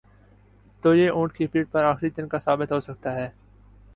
تو یہ اونٹ کی پیٹھ پر آخری تنکا ثابت ہو سکتا ہے۔